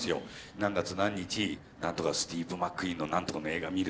何月何日スティーブ・マックイーンの何とかの映画見る。